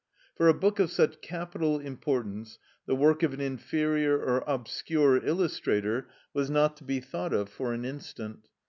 For a book of such capital importance the work of an inferior or obscure illustrator was not to be thought of for an instant.